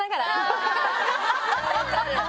分かる！